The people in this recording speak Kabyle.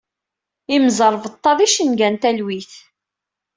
Imẓerbeḍḍa d icenga n talwit.